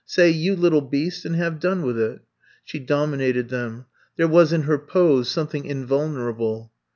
Say, *You little beast t' and have done with itl'^ She dominated them. There was in her pose something invulnerable.